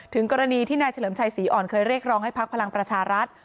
ถึงกรณีที่นายเฉลิมชัยศรีอ่อนเคยเรียกร้องให้พักพลังประชารัฐ